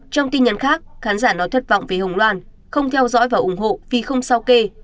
trong tin nhắn khác khán giả nói thất vọng vì hồng loan không theo dõi và ủng hộ vì không sao kê